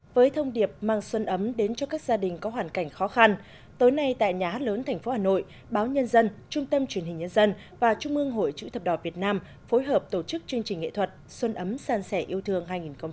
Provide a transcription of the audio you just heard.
với thông điệp mang xuân ấm đến cho các gia đình có hoàn cảnh khó khăn tối nay tại nhà hát lớn tp hà nội báo nhân dân trung tâm truyền hình nhân dân và trung ương hội chữ thập đỏ việt nam phối hợp tổ chức chương trình nghệ thuật xuân ấm san sẻ yêu thương hai nghìn một mươi chín